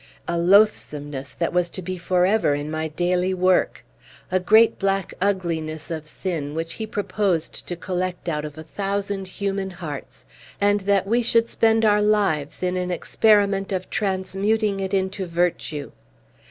A loathsomeness that was to be forever in my daily work! A great black ugliness of sin, which he proposed to collect out of a thousand human hearts, and that we should spend our lives in an experiment of transmuting it into virtue!